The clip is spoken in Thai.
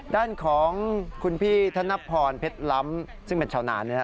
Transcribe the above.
ด้านของคุณพี่ธนพรเพชรล้ำซึ่งเป็นชาวนานนะครับ